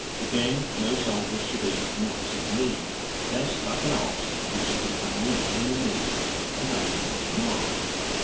Again, no soldier should eat an ox's knee, lest like an ox he should become weak in the knees and unable to march.